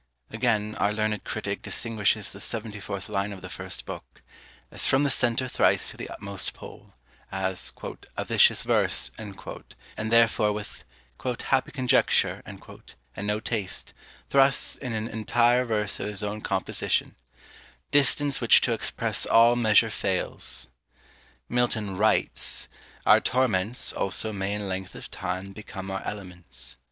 Again, our learned critic distinguishes the 74th line of the first book As from the centre thrice to the utmost pole, as "a vicious verse," and therefore with "happy conjecture," and no taste, thrusts in an entire verse of his own composition DISTANCE WHICH TO EXPRESS ALL MEASURE FAILS. Milton writes, Our torments, also, may in length of time Become our elements.